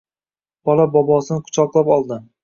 Bola bobosini quchoqlab oldi.